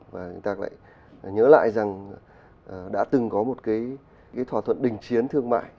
và chúng ta lại nhớ lại rằng đã từng có một cái thỏa thuận đình chiến thương mại